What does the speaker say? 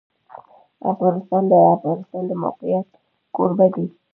افغانستان د د افغانستان د موقعیت کوربه دی.